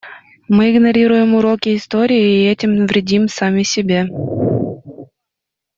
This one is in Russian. Мы игнорируем уроки истории и этим вредим сами себе.